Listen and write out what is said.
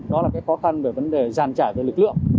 đó là khó khăn về vấn đề giàn trải lực lượng